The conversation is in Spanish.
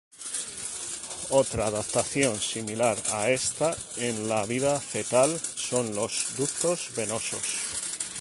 Otra adaptación similar a esta en la vida fetal son los ductos venosos.